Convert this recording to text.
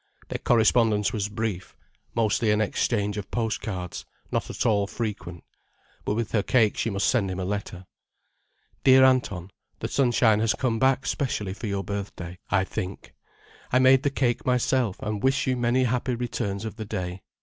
Their correspondence was brief, mostly an exchange of post cards, not at all frequent. But with her cake she must send him a letter. _"Dear Anton. The sunshine has come back specially for your birthday, I think. I made the cake myself, and wish you many happy returns of the day.